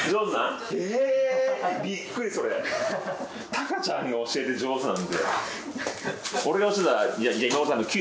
たかちゃんが教えて上手なんて。